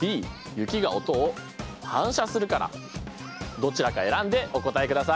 どちらか選んでお答えください。